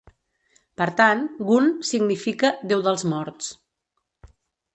Per tant, Gunn significa "Déu dels Morts".